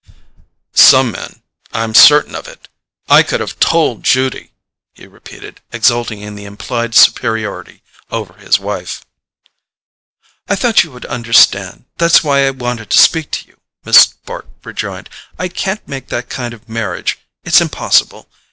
"Some men—I'm certain of it! I could have TOLD Judy," he repeated, exulting in the implied superiority over his wife. "I thought you would understand; that's why I wanted to speak to you," Miss Bart rejoined. "I can't make that kind of marriage; it's impossible.